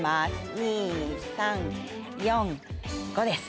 ２・３・４・５です。